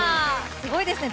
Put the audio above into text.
すごいですね。